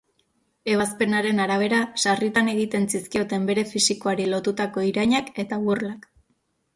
Ebazpenaren arabera, sarritan egiten zizkioten bere fisikoari lotutako irainak eta burlak.